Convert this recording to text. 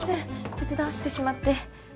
手伝わせてしまって。